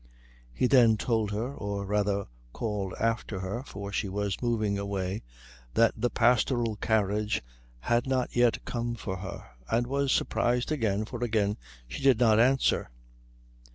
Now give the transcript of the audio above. He then told her, or rather called after her, for she was moving away, that the pastoral carriage had not yet come for her, and was surprised again, for again she did not answer.